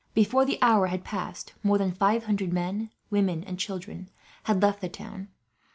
Before the hour had passed, more than five hundred men, women, and children had left the town.